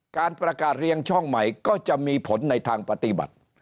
การประกาศเรียงช่องใหม่ก็จะมีผลในทางปฏิบัติ